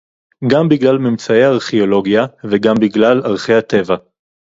גם בגלל ממצאי הארכיאולוגיה וגם בגלל ערכי הטבע